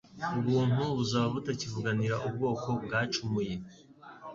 ubuntu buzaba butakivuganira ubwoko bwacumuye.